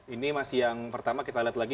ini masih yang pertama kita lihat lagi